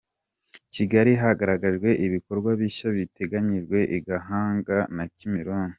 Kigali Hagaragajwe ibikorwa bishya biteganyijwe i Gahanga na Kimironko